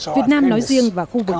việt nam nói riêng và khu vực